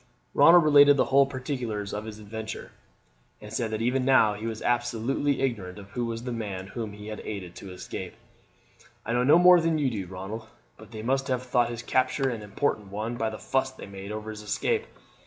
Ronald related the whole particulars of his adventure, and said that even now he was absolutely ignorant who was the man whom he had aided to escape. "I know no more than you do, Ronald, but they must have thought his capture an important one by the fuss they made over his escape.